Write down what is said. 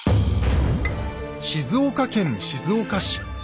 静岡県静岡市。